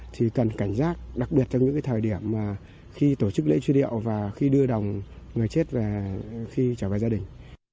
thì cần cảnh giác đặc biệt trong những thời điểm khi tổ chức lễ truyền điệu và khi đưa đồng người chết và khi trở về gia đình